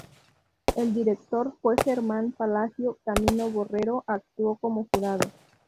El director fue Germán Palacio; Camilo Borrero, actuó como jurado.